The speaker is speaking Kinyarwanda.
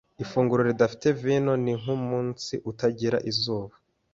Ifunguro ridafite vino ni nkumunsi utagira izuba.